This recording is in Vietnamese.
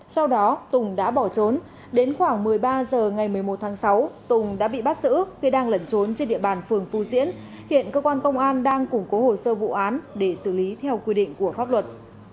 sau đó tùng đã bỏ trốn đến khoảng một mươi ba h ngày một mươi một tháng sáu tùng đã bị bắt giữ khi đang lẩn trốn trên địa bàn phường phù diễn hiện cơ quan công an đang củng cố hồ sơ vụ án để xử lý theo quy định của pháp luật